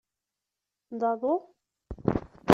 D aḍu?